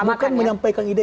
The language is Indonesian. bukan menyampaikan ide